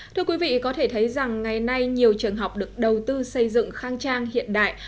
thưa quý vị có thể thấy rằng ngày nay nhiều trường học được đầu tư xây dựng khang trang hiện đại